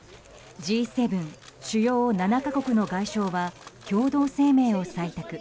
Ｇ７・主要７か国の外相は共同声明を採択。